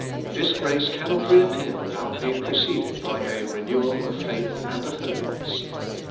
This grace cannot reappear with out being preceded by a renewal of faith and of holiness.